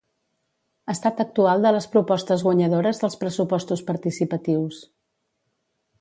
Estat actual de les propostes guanyadores dels pressupostos participatius